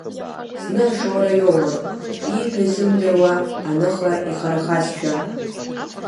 Зны ашора иоуан, ииҳәо изымдыруа, аныха ихарахазшәа.